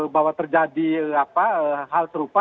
bahwa terjadi hal serupa